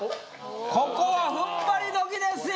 ここはふんばりどきですよ